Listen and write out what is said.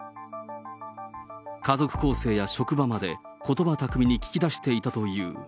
家族構成や職場まで、ことば巧みに聞き出していたという。